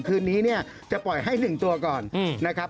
คืนนี้จะปล่อยให้หนึ่งตัวก่อนนะครับ